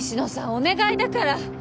お願いだから。